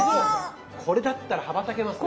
これだったら羽ばたけますね。